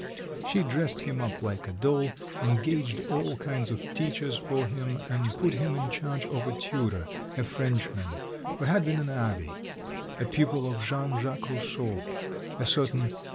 She dressed him up like a doll, engaged all kinds of teachers for him, and put him in charge of a tutor, a Frenchman, who had been an abbé, a pupil of Jean Jacques Rousseau, a certain M.